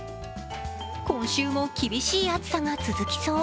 今週も厳しい暑さが続きそう。